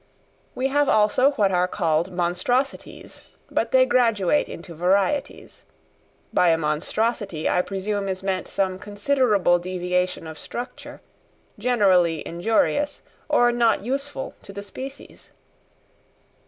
We have also what are called monstrosities; but they graduate into varieties. By a monstrosity I presume is meant some considerable deviation of structure, generally injurious, or not useful to the species.